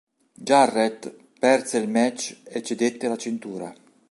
Jarrett perse il match e cedette la cintura.